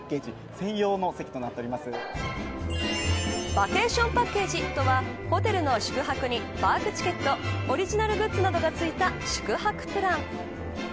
バケーションパッケージとはホテルの宿泊にパークチケットオリジナルグッズなどが付いた宿泊プラン。